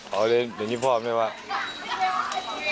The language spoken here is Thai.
เอาเลยอย่างงี้พ่อมันได้บ้าง